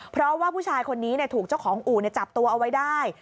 เพราะว่าผู้ชายคนนี้ถูกเจ้าของอู่จับตัวเอาไว้ได้